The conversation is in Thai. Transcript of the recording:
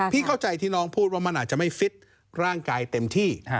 เข้าใจที่น้องพูดว่ามันอาจจะไม่ฟิตร่างกายเต็มที่